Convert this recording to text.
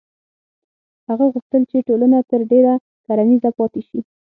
هغه غوښتل چې ټولنه تر ډېره کرنیزه پاتې شي.